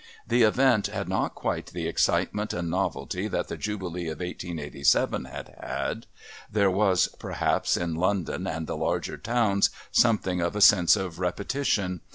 The event had not quite the excitement and novelty that the Jubilee of 1887 had had; there was, perhaps, in London and the larger towns, something of a sense of repetition.